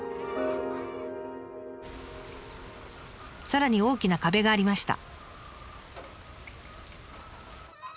さらに大きな壁がありました。